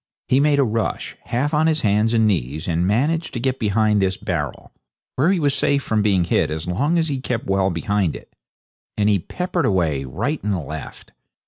He made a rush, half on his hands and knees, and managed to get behind this barrel, where he was safe from being hit as long as he kept well behind it. Then he peppered away, right and left.